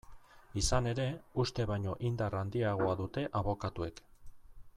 Izan ere, uste baino indar handiagoa dute abokatuek.